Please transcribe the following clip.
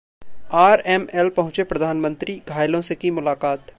RML पहुंचे प्रधानमंत्री, घायलों से की मुलाकात